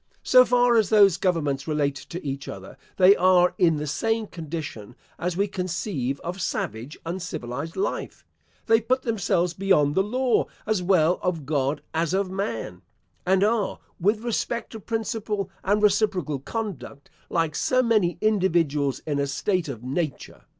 So far as those governments relate to each other, they are in the same condition as we conceive of savage uncivilised life; they put themselves beyond the law as well of God as of man, and are, with respect to principle and reciprocal conduct, like so many individuals in a state of nature.